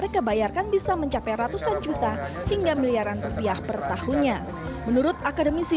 mereka bayarkan bisa mencapai ratusan juta hingga miliaran rupiah per tahunnya menurut akademisi